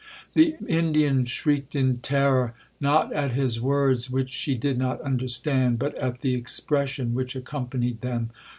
The Indian shrieked in terror, not at his words, which she did not understand, but at the expression which accompanied them.